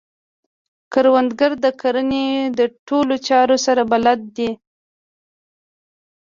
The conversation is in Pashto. کروندګر د کرنې د ټولو چارو سره بلد دی